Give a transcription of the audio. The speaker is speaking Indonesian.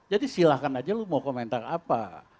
jadi silahkan aja lu mau komentar apa